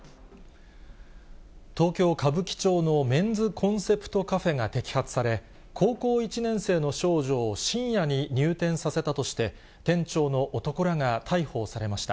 東京・歌舞伎町のメンズコンセプトカフェが摘発され、高校１年生の少女を深夜に入店させたとして、店長の男らが逮捕されました。